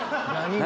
何？